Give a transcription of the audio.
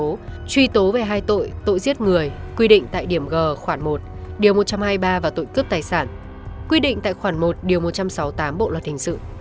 hành vi của lèo văn hoàng đã bị khởi tố về hai tội tội giết người quy định tại điểm g khoảng một điều một trăm hai mươi ba và tội cướp tài sản quy định tại khoảng một điều một trăm sáu mươi tám bộ luật hình sự